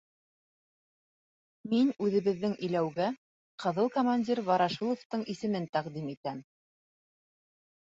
Мин үҙебеҙҙҙең иләүгә ҡыҙыл командир Ворошиловтың исемен тәҡдим итәм.